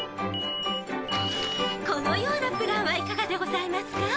このようなプランはいかがでございますか？